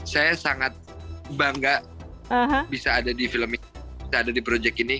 saya sangat bangga bisa ada di film ini bisa ada di project ini